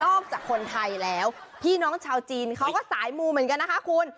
จากคนไทยแล้วพี่น้องชาวจีนเขาก็สายมูเหมือนกันนะคะคุณ